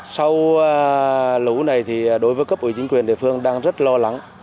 sau lũ này thì đối với cấp ủy chính quyền địa phương đang rất lo lắng